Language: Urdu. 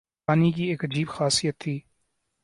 پانی کی ایک عجیب خاصیت تھی